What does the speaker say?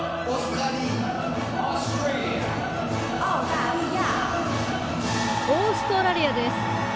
オーストラリアです。